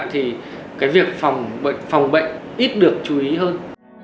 thì việc phòng bệnh ít được chú ý hơn